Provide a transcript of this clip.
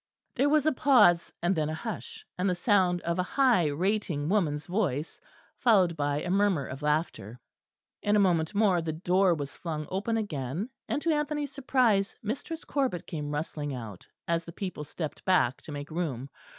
There was a pause and then a hush; and the sound of a high rating woman's voice, followed by a murmur of laughter. In a moment more the door was flung open again, and to Anthony's surprise Mistress Corbet came rustling out, as the people stepped back to make room.